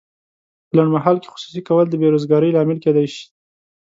په لنډمهال کې خصوصي کول د بې روزګارۍ لامل کیدای شي.